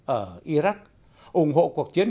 ở iraq ủng hộ cuộc chiến